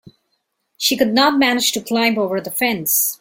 She could not manage to climb over the fence.